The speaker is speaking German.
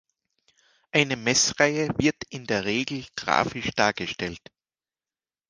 Eine Messreihe wird in der Regel grafisch dargestellt.